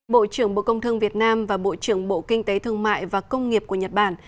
bộ trưởng bộ công thương việt nam và bộ trưởng bộ kinh tế thương mại và công nghiệp của nhật bản